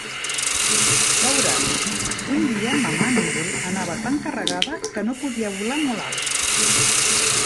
Veuràs: un dia Mamà-Núvol anava tan carregada que no podia volar molt alt.